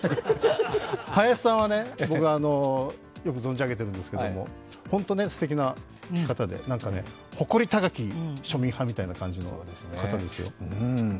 林さんは僕、よく存じ上げているんですがホントすてきな方で誇り高き庶民派みたいな方ですよ。